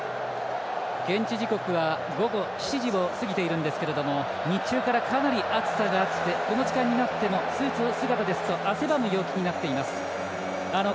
現地時刻は午後７時を過ぎているんですけれども日中からかなり暑さがあってこの時間になってもスーツ姿でも汗ばむ陽気になっています。